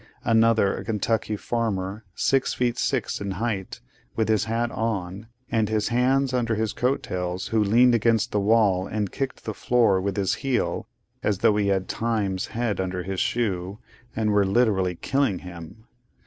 Another, a Kentucky farmer, six feet six in height, with his hat on, and his hands under his coat tails, who leaned against the wall and kicked the floor with his heel, as though he had Time's head under his shoe, and were literally 'killing' him.